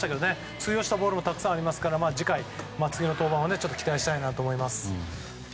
通用したボールもたくさんありましたから次の登板は期待したいなと思います。